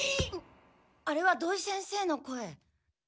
あれは土井先生の声。